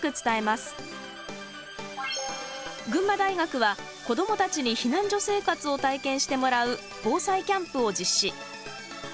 群馬大学は子どもたちに避難所生活を体験してもらう「防災キャンプ」を実施。